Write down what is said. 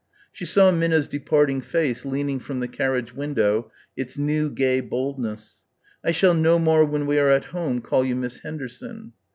She saw Minna's departing face leaning from the carriage window, its new gay boldness: "I shall no more when we are at home call you Miss Henderson."